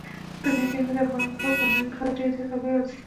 طبیعي زیرمې د افغانانو لپاره په معنوي لحاظ ډېر زیات او لوی ارزښت لري.